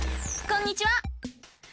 こんにちは！